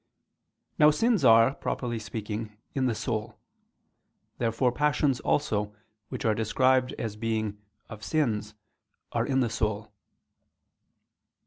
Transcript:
Now sins are, properly speaking, in the soul. Therefore passions also, which are described as being "of sins," are in the soul.